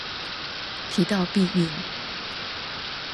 提到避孕